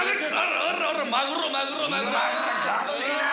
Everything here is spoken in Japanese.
マグロ、マグロ、マグロ。